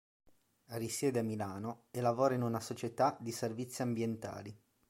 Risiede a Milano e lavora in una società di servizi ambientali.